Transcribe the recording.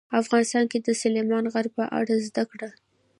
افغانستان کې د سلیمان غر په اړه زده کړه.